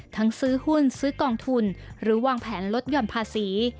ซื้อหุ้นซื้อกองทุนหรือวางแผนลดหย่อนภาษี